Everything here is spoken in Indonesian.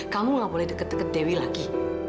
kamu gak boleh deket deket dewi lagi